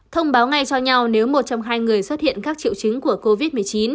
thông báo ngay cho nhau nếu một trong hai người xuất hiện các triệu chứng của covid một mươi chín